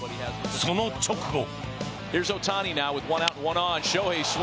その直後。